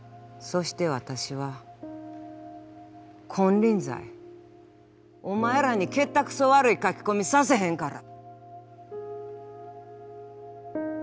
そしてわたしは金輪際お前らにけったくそ悪い書き込みさせへんから。